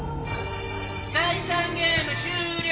「第３ゲーム終了！」